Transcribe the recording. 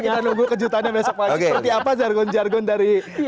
kalau kita nunggu kejutan besok masih seperti apa jargon jargon dari